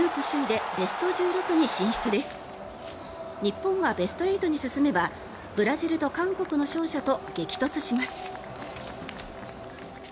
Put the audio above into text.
日本がベスト８に進めばブラジルと韓国の勝者と激突します。